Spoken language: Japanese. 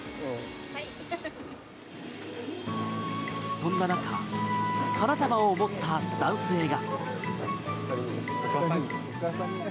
そんな中花束を持った男性が。